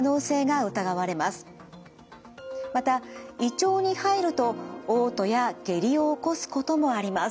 また胃腸に入るとおう吐や下痢を起こすこともあります。